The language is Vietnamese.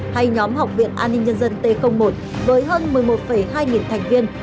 hay nhóm học viện an ninh nhân dân t một với hơn một mươi một hai nghìn thành viên